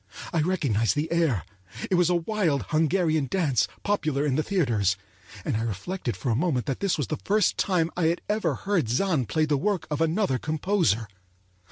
I recognized the air—it was a wild Hungarian dance popular in the theaters, and I reflected for a moment that this was the first time I had ever heard Zann play the work of another composer.